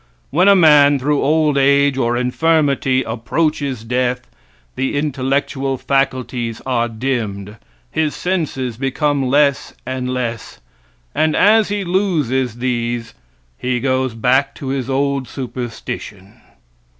When a man through old age or infirmity approaches death the intellectual faculties are dimmed, his senses become less and less, and as he loses these he goes back to his old superstition.